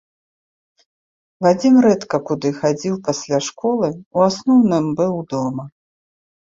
Вадзім рэдка куды хадзіў пасля школы, у асноўным быў дома.